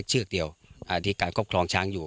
เชือกเดียวที่การครอบครองช้างอยู่